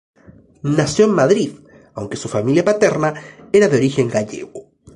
Nació en Madrid, aunque su familia paterna era de origen gallego.